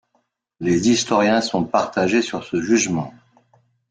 Les historiens sont partagés sur ce jugement.